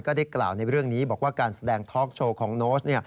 ได้กล่าวในเรื่องนี้บอกว่าการแสดงท็อกโชว์ของโน้ต